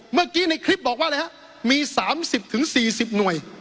เมื่อกี้ในคลิปบอกว่าอะไรฮะมีสามสิบถึงสี่สิบหน่วย